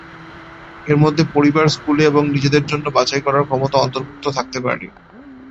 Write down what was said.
এর মধ্যে পরিবার, স্কুলে এবং নিজেদের জন্য বাছাই করার ক্ষমতা অন্তর্ভুক্ত থাকতে পাারে।